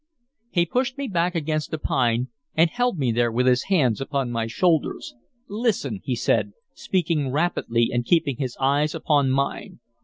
He pushed me back against a pine, and held me there with his hands upon my shoulders. "Listen," he said, speaking rapidly and keeping his eyes upon mine.